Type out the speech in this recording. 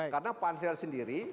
karena pansel sendiri